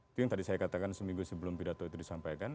itu yang tadi saya katakan seminggu sebelum pidato itu disampaikan